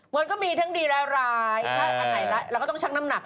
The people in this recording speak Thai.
งดจะมีทั้งดีแล้วรายแล้วก็ทำช่างน้ำหนัก